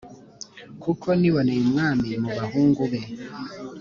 kuko niboneye umwami mu bahungu be.